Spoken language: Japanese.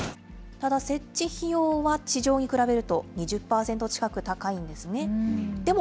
ただ、設置費用は地上に比べると２０％近く高いんですね。